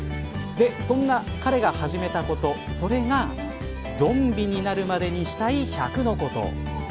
そんな彼が始めたこと、それがゾンビになる前にしたい１００のこと。